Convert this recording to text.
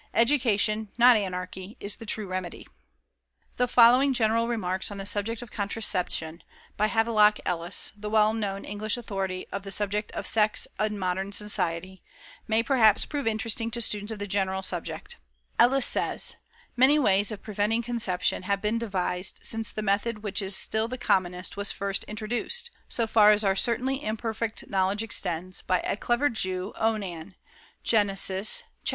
EDUCATION, NOT ANARCHY, IS THE TRUE REMEDY. The following general remarks on the subject of Contraception, by Havelock Ellis, the well known English authority of the subject of Sex in Modern Society, may perhaps prove interesting to students of the general subject: Ellis says: "Many ways of preventing conception have been devised since the method which is still the commonest was first introduced, so far as our certainly imperfect knowledge extends, by a clever Jew, Onan (Genesis, Chap.